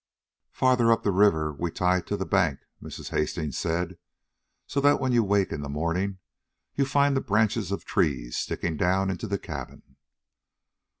"Farther up the river we tie to the bank," Mrs. Hastings said, "so that when you wake in the morning you find the branches of trees sticking down into the cabin."